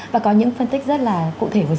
và có những phân tích rất là cụ thể vừa rồi